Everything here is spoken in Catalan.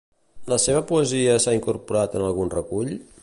La seva poesia s'ha incorporat en algun recull?